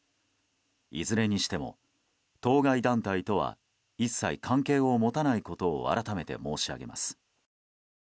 いずれにしても当該団体とは一切関係を持たないことを改めて申し上げます。